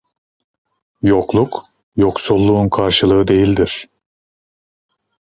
Yokluk, yoksulluğun karşılığı değildir.